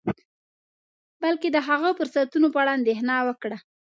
بلکې د هغه فرصتونو په اړه اندیښنه وکړه